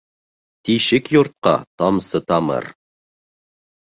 Тишек йортҡа тамсы тамыр